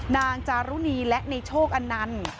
จารุณีและในโชคอันนันต์